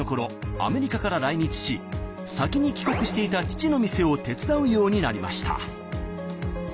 アメリカから来日し先に帰国していた父の店を手伝うようになりました。